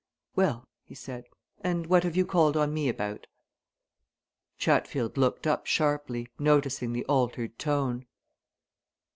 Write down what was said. "Well," he said, "and what have you called on me about?" Chatfield looked up sharply, noticing the altered tone.